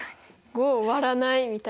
５を割らないみたいな。